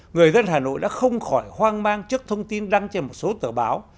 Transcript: người dân hà nội đã không khỏi hoang mang trước thông tin đăng trên một số tờ báo